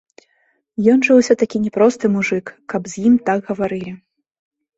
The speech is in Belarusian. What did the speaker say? Ён жа ўсё-такі не просты мужык, каб з ім так гаварылі.